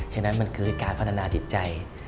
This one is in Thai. ฉะนั้นมันคือการพัฒนาจิตใจ